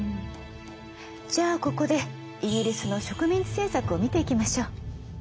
じゃあここでイギリスの植民地政策を見ていきましょう。